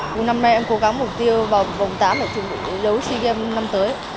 cùng năm nay em cố gắng mục tiêu vào vòng tám để chuẩn bị đấu sea games năm tới